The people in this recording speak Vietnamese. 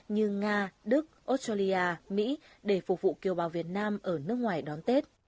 như nga đức australia mỹ để phục vụ kiều bào việt nam ở nước ngoài đón tết